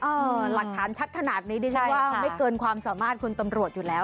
หลักฐานชัดขนาดนี้ดิฉันว่าไม่เกินความสามารถคุณตำรวจอยู่แล้ว